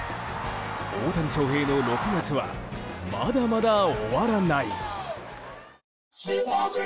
大谷翔平の６月はまだまだ終わらない。